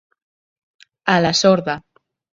A la sorda.